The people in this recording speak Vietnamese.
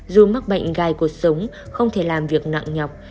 dù mắc bệnh gai cuộc sống không thể làm việc nặng nhọc